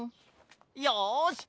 よし！